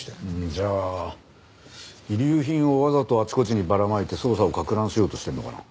じゃあ遺留品をわざとあちこちにばらまいて捜査を攪乱しようとしてるのかな？